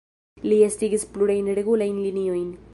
Li estigis plurajn regulajn liniojn.